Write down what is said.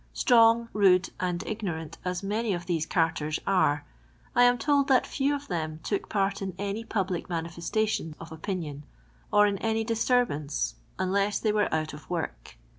Strong, rude, and ignorant as many of these carters are, I am told that few of them took part in any public manifestation of opinion, or in any disturbance, unless they were out of work.